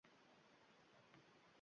Tarix —